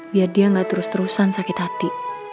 biar dia nggak terus terusan sakit hati